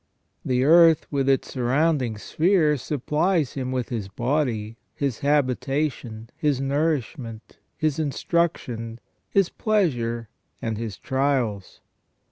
The earth with its surround ing sphere supplies him with his body, his habitation, his nourish ment, his instruction, his pleasure, and his trials.